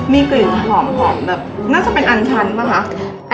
มีกลิ่นหอมแบบน่าจะเป็นอันชั้นป่ะคะ